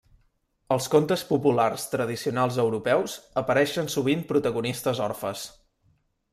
Als contes populars tradicionals europeus apareixen sovint protagonistes orfes.